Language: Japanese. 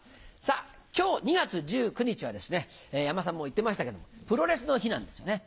今日２月１９日はですね山田さんも言ってましたけどプロレスの日なんですよね。